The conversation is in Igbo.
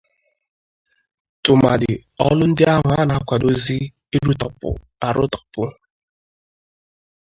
tụmadị ọlụ ndị ahụ a na-akwadozi ịrụtọpụ arụtọpụ.